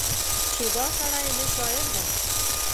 چې دا سړی نه شاعر دی